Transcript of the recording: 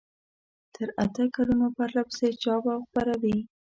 تر اته کلونو پرلپسې چاپ او خپروي.